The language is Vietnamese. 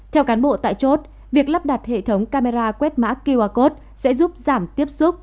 theo cán bộ tại chốt việc lắp đặt hệ thống camera quét mã qr code sẽ giúp giảm tiếp xúc